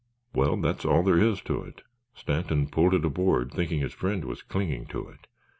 "Well, that's all there is to it. Stanton pulled it aboard thinking his friend was clinging to it.